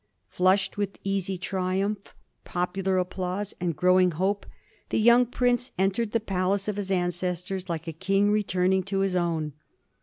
Flushed with easy triumph, popular applause, and growing hope, the young prince entered the palace of his ancestors like a king returning to his own.